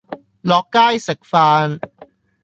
落街食飯